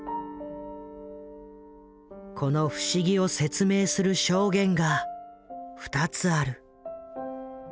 この不思議を説明する証言が２つある。